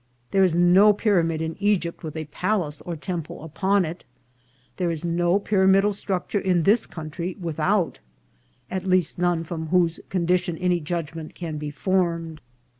There is no pyramid in Egypt with a palace or temple upon it ; there is no pyramidal structure in this country without ; at least none from whose condition any judgment can be formed.